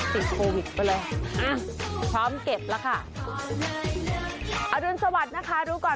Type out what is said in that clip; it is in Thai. ติดโควิดไปเลยอ่ะพร้อมเก็บแล้วค่ะอรุณสวัสดิ์นะคะรู้ก่อน